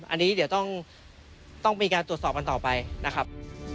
อันนี้เดี๋ยวต้องมีการตรวจสอบกันต่อไปนะครับ